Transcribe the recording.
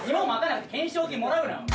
懸賞金もらうな！